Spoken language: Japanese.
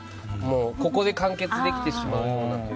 ここだけで完結できてしまうような。